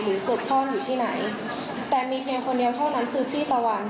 ศพพ่ออยู่ที่ไหนแต่มีเพียงคนเดียวเท่านั้นคือพี่ตะวัน